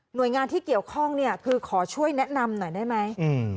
โดยงานที่เกี่ยวข้องเนี่ยคือขอช่วยแนะนำหน่อยได้ไหม